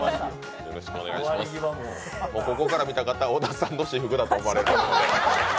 ここから見た方、小田さんの私服だと思われますね。